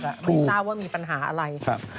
ไม่ทราบว่ามีปัญหาอะไร